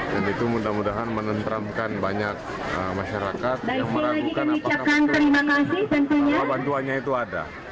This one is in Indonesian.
dan itu mudah mudahan menentramkan banyak masyarakat yang meragukan apakah bantuannya itu ada